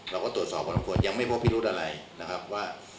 เราก็ตรวจสอบพอสมควรยังไม่พบพิรุธอะไรนะครับว่า